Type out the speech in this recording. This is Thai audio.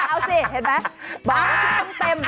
ฮ่าเอาสิเห็นมั้ยบางของต้องเต็ม